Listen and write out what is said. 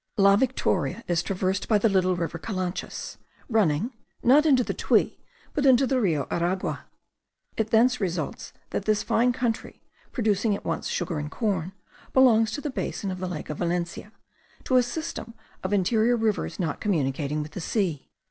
La Victoria is traversed by the little river Calanchas, running, not into the Tuy, but into the Rio Aragua: it thence results that this fine country, producing at once sugar and corn, belongs to the basin of the lake of Valencia, to a system of interior rivers not communicating with the sea.